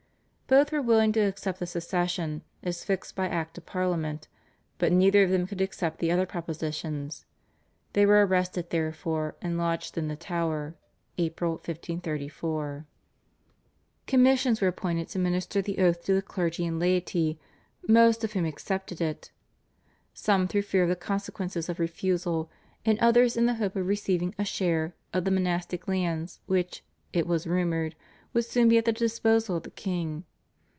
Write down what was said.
Both were willing to accept the succession as fixed by Act of Parliament, but neither of them could accept the other propositions. They were arrested therefore and lodged in the Tower (April 1534). Commissions were appointed to minister the oath to the clergy and laity, most of whom accepted it, some through fear of the consequences of refusal and others in the hope of receiving a share of the monastic lands, which, it was rumoured, would soon be at the disposal of the king.